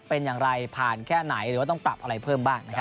เป็นอย่างไรผ่านแค่ไหนหรือว่าต้องปรับอะไรเพิ่มบ้าง